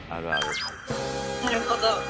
なるほど。